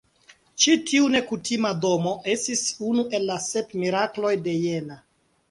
Ĉi-tiu nekutima domo estis unu el la "Sep Mirakloj de Jena".